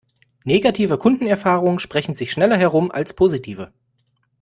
Negative Kundenerfahrungen sprechen sich schneller herum als positive.